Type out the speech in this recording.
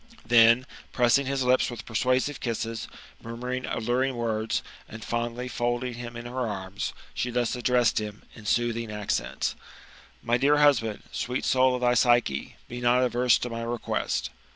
Then, pressing his lips with persuasive kisses, mnr muring alluring words, and fondly folding him in her anns, she thus addressed him, in soothing accents :" My dear husband, sweet soul of thy Psyche, be not averse to my request."